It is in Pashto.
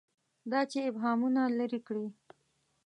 دا چې ابهامونه لري کړي.